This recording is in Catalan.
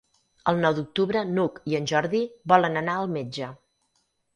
El nou d'octubre n'Hug i en Jordi volen anar al metge.